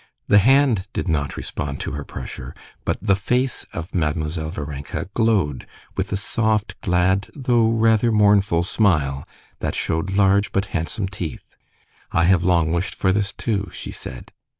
The hand did not respond to her pressure, but the face of Mademoiselle Varenka glowed with a soft, glad, though rather mournful smile, that showed large but handsome teeth. "I have long wished for this too," she said.